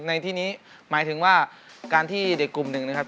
ในที่นี้หมายถึงว่าการที่เด็กกลุ่มหนึ่งนะครับ